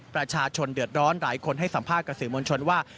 ประชาชนเดือดร้อนหลายคนให้สัมภาษณ์กับสื่อมวลชนว่า